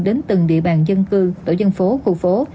đến từng địa bàn dân cư tổ dân phố khu phố